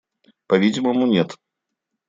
По-видимому, нет.